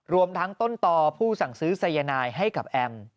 รวมทั้งต้นต่อผู้สั่งซื้อสายนายให้กับแอม